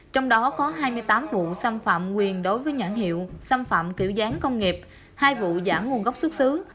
trong đó có hai mươi tám vụ xâm phạm quyền đối với nhãn hiệu xâm phạm kiểu dáng công nghiệp hai vụ giảm nguồn gốc xuất xứ